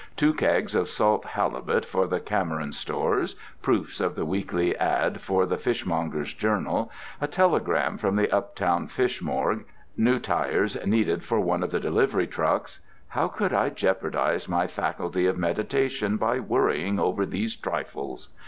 Two kegs of salt halibut for the Cameron Stores, proofs of the weekly ad. for the Fishmongers' Journal, a telegram from the Uptown Fish Morgue, new tires needed for one of the delivery trucks—how could I jeopardize my faculty of meditation by worrying over these trifles?